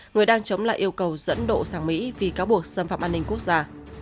người đang chống lại yêu cầu dẫn độ sang mỹ vì cáo buộc xâm phạm an ninh quốc gia